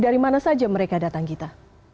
dari mana saja mereka datang gita